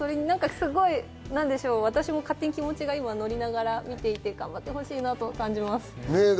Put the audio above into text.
私も勝手に気持ちが乗りながら見ていて頑張ってほしいなと感じます。